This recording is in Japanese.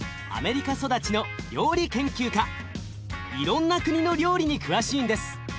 いろんな国の料理に詳しいんです。